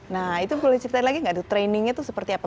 nah itu boleh ceritain lagi gak tuh trainingnya tuh seperti apa